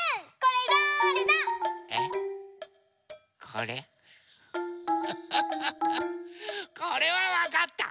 これはわかった。